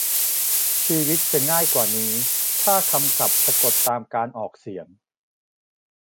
ชีวิตจะง่ายกว่านี้ถ้าคำศัพท์สะกดตามการออกเสียง